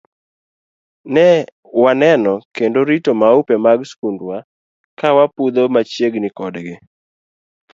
Ne waneno kendo rito maupe mag skundwa ka wapudho machiegni kodgi.